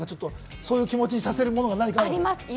そういう気持ちにさせるものがあるんですか？